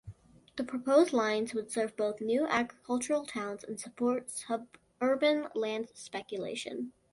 The proposed lines would serve both new agricultural towns and support suburban land speculation.